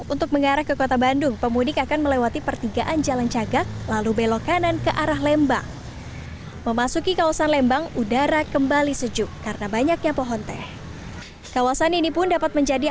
untuk angkutan pemudik rata rata memang melewati